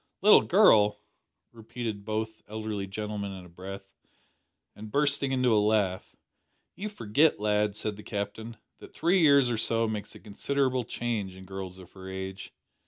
"Little girl," repeated both elderly gentlemen in a breath, and bursting into a laugh. "You forget, lad," said the Captain, "that three years or so makes a considerable change in girls of her age.